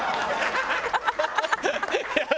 ハハハハ！